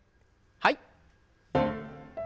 はい。